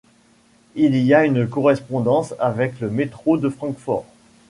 Il y a une correspondance avec le métro de Francfort.